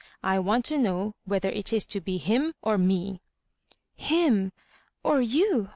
I want to know whether it is to be him or mel " "Him— or you!"